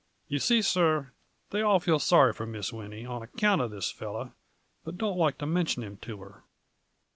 You see, sir, they all feel sorry for Miss Winnie on ac count of this fellow, but don't loike to mintion him to her."